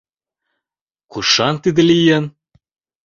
— Кушан тиде лийын?